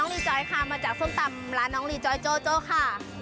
รีจอยค่ะมาจากส้มตำร้านน้องรีจอยโจโจ้ค่ะ